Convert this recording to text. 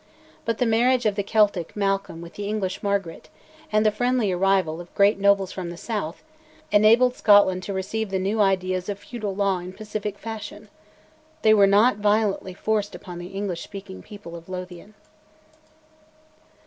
But the marriage of the Celtic Malcolm with the English Margaret, and the friendly arrival of great nobles from the south, enabled Scotland to receive the new ideas of feudal law in pacific fashion. They were not violently forced upon the English speaking people of Lothian.